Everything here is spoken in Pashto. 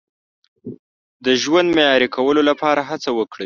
د ژوند معیاري کولو لپاره هڅه وکړئ.